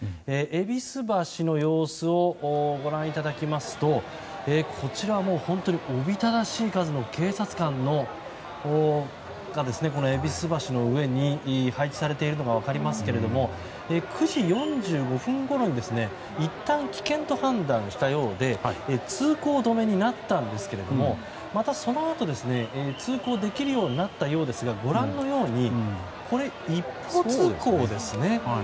戎橋の様子をご覧いただくとこちらはおびただしい数の警察官が戎橋の上に配置されているのが分かりますけれども９時４５分ごろにいったん危険と判断したようで通行止めになったんですがまたそのあと通行できるようになったようですがご覧のように、一方通行ですね。